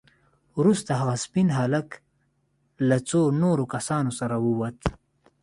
وروسته هغه سپين هلک له څو نورو کسانو سره ووت.